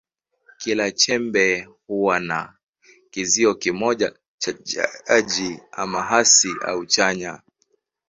Kila chembe huwa na kizio kimoja cha chaji, ama hasi au chanya.